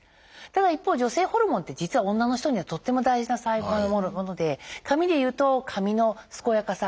ただ一方女性ホルモンって実は女の人にはとっても大事なもので髪でいうと髪の健やかさ